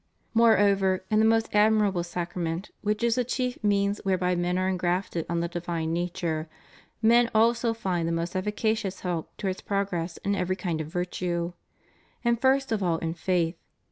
^ Moreover, in the most admirable Sacrament, which is the chief means whereby men are engrafted on the di\dne nature, men also find the most efficacious help towards progress in every kind of virtue. And first of all in faith.